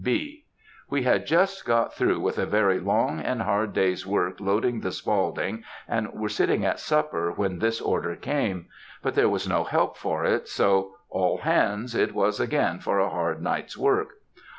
(B.) We had just got through with a very long and hard day's work loading the Spaulding, and were sitting at supper when this order came; but there was no help for it, so "All hands!" it was again for a hard night's work.